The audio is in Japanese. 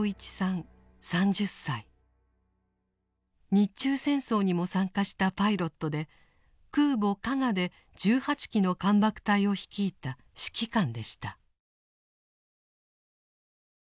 日中戦争にも参加したパイロットで空母「加賀」で１８機の艦爆隊を率いた指揮官でした。